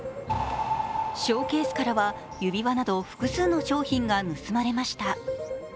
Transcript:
ショーケースからは指輪など複数の商品が盗まれました。